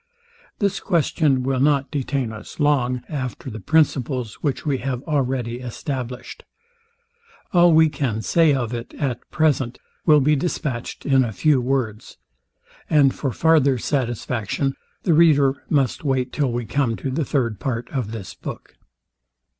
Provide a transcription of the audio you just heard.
This question will not detain us long after the principles, which we have already established, All we can say of it at present will be dispatched in a few words: And for farther satisfaction, the reader must wait till we come to the third part of this book.